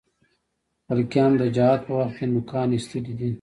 خلقیانو د جهاد په وخت کې نوکان اېستلي دي.